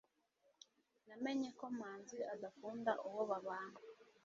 Namenye ko Manzi adakunda uwo babana.